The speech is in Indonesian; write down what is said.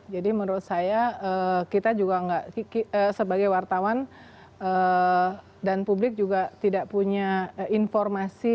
jadi menurut saya kita juga sebagai wartawan dan publik juga tidak punya informasi